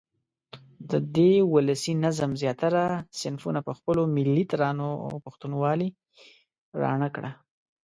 ده د ولسي نظم زیاتره صنفونه په خپلو ملي ترانو او پښتونوالې راڼه کړه.